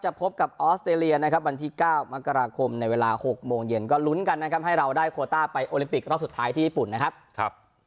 พบกับออสเตรเลียนะครับวันที่๙มกราคมในเวลา๖โมงเย็นก็ลุ้นกันนะครับให้เราได้โคต้าไปโอลิมปิกรอบสุดท้ายที่ญี่ปุ่นนะครับ